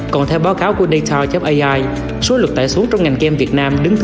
còn theo báo cáo của data ai số lực tải xuống trong ngành game việt nam